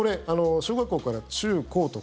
小学校から中高と。